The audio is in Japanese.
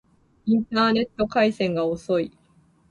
インターネット回線が遅い